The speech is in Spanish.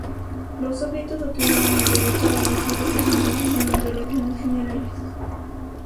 Los súbditos obtuvieron el derecho a elegir representantes mediante elecciones generales.